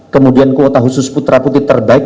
kemudian kuota khusus putra putih terbaik